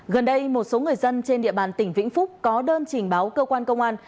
gần đây một số người dân trên địa bàn tỉnh vĩnh phúc có đơn trình báo cơ quan công an